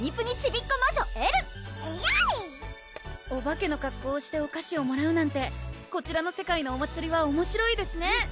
お化けの格好をしてお菓子をもらうなんてこちらの世界のお祭りはおもしろいですね